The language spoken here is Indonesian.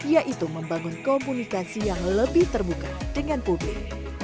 yaitu membangun komunikasi yang lebih terbuka dengan publik